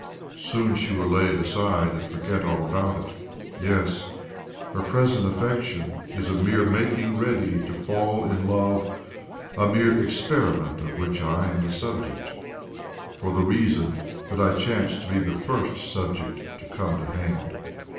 Soon she will lay it aside, and forget all about it. Yes, her present affection is a mere making ready to fall in^Iove, a mere experi ment of which I am the subject, for the reason that I chanced to be the first subject to come to hand."